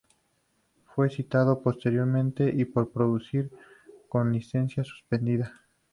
Fue citado por posesión y por conducir con una licencia suspendida.